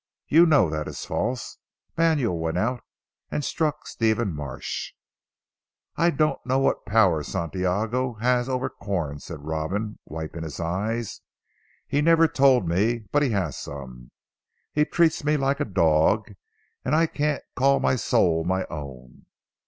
You know that is false. Manuel went out and struck Stephen Marsh." "I don't know what power Santiago has over Corn," said Robin wiping his eyes, "he never told me; but he has some. He treats me like a dog, and I can't call my soul my own."